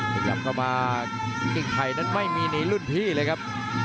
กลับกับมากลิ่งไทยนั้นไม่มีหนี้รุ่นพี่เลยครับ